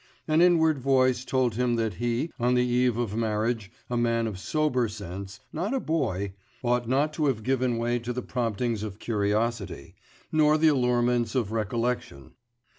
An inward voice told him that he on the eve of marriage, a man of sober sense, not a boy ought not to have given way to the promptings of curiosity, nor the allurements of recollection.